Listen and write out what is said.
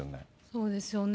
そうですよね。